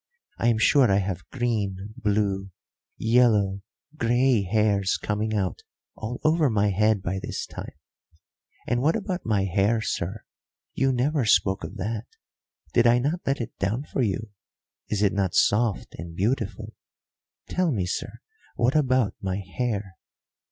I am sure I have green, blue, yellow, grey hairs coming out all over my head by this time. And what about my hair, sir, you never spoke of that? Did I not let it down for you? Is it not soft and beautiful? Tell me, sir, what about my hair?"